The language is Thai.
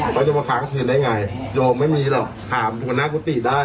เขาจะมาฟังคืนได้ไงโยมไม่มีหรอกถามหัวหน้ากุฏิได้